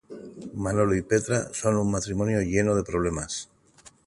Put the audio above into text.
Manolo y Petra son un matrimonio lleno de problemas.